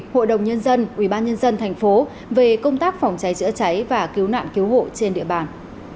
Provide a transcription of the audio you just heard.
hội đồng nhân dân ubnd tp về công tác phòng cháy chữa cháy và cứu nạn cứu hộ trên địa bàn